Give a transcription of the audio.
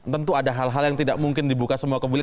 tentu ada hal hal yang tidak mungkin dibuka semua ke publik